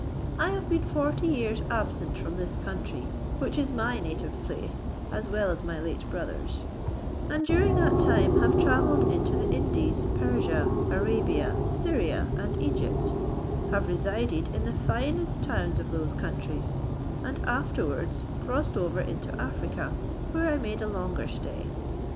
I have been forty years absent from this country, which is my native place, as well as my late brother's; and during that time have travelled into the Indies, Persia, Arabia, Syria, and Egypt, have resided in the finest towns of those countries; and afterwards crossed over into Africa, where I made a longer stay.